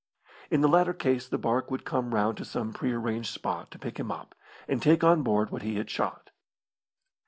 In the latter case the barque would come round to some pre arranged spot to pick him up, and take on board what he had shot.